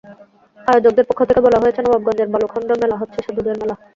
আয়োজকদের পক্ষ থেকে বলা হয়েছে, নবাবগঞ্জের বালুখন্ড মেলা হচ্ছে সাধুদের মেলা।